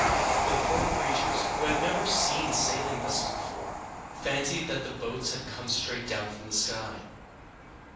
The poor creatures, who had never seen sailing vessels before, fancied that the boats had come straight down from the sky.